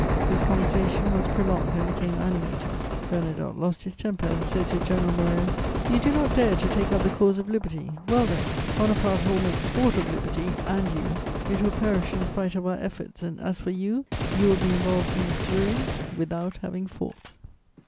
This conversation was prolonged and became animated; Bernadotte lost his temper, and said to General Moreau: "You do not dare to take up the cause of liberty; well, then, Bonaparte will make sport of liberty and you. It will perish in spite of our efforts and, as for you, you will be involved in its ruin without having fought."